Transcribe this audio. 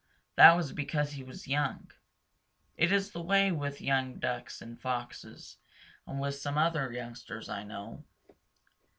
That was because he was young. It is the way with young Ducks and Foxes and with some other youngsters I know.